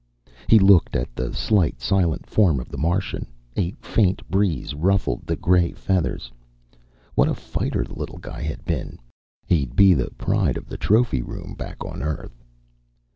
_ He looked at the slight, silent form of the Martian. A faint breeze ruffled the gray feathers. What a fighter the little guy had been! He'd be the pride of the trophy room, back on Earth.